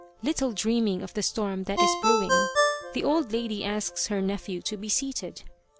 Little dreaming of the storm that is brew ing, the old lady asks her nephew to be seated.